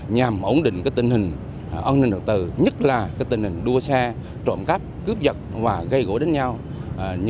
nhằm ổn định tình hình ổn định được tự nhất là tình hình đua xe trộm cắp cướp giật và gây gối đánh nhau